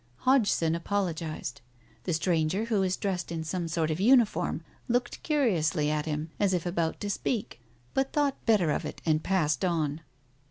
Hodgson apolo gized. The stranger, who was dressed in some sort of uniform, looked curiously at him, as if about to speak, but thought better of it and passed on.